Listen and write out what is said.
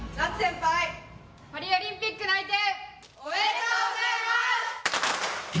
パリオリンピック内定おめでとうございます。